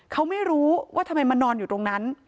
เขาไม่รู้ว่าทำไมมานอนอยู่ตรงนั้น